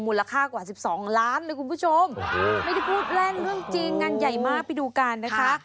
มูลค่ากว่า๑๒ล้านเลยคุณผู้ชมไม่ได้พูดเล่นเรื่องจริงงานใหญ่มากไปดูกันนะคะ